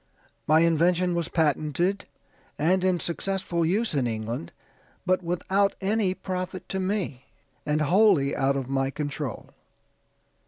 "My invention was patented, and in successful use in England, but without any profit to me, and wholly out of my control.